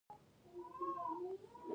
چې په یوه شپه کې نه بشپړېږي